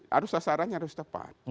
harus sasarannya harus tepat